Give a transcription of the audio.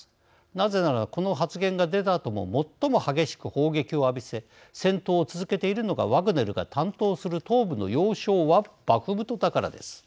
なぜなら、この発言が出たあとも最も激しく砲撃を浴びせ戦闘を続けているのがワグネルが担当する東部の要衝バフムトだからです。